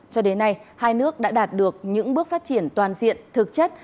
cho đến nay hai nước đã đạt được những bước phát triển toàn diện thực chất